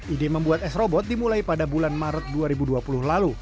ide membuat s robot dimulai pada bulan maret dua ribu dua puluh lalu